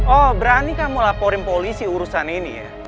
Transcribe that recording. oh berani kamu laporin polisi urusan ini ya